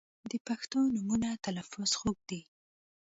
• د پښتو نومونو تلفظ خوږ دی.